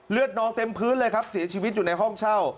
นองเต็มพื้นเลยครับเสียชีวิตอยู่ในห้องเช่า